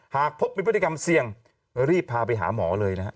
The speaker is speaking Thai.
หากพบมีพิวเตศความเสี่ยงรีบพาไปหาหมอเลยนะครับ